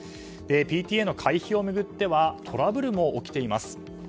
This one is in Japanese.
ＰＴＡの回避を巡ってはトラブルも起きています。